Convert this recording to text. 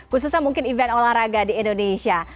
khususnya mungkin event olahraga di indonesia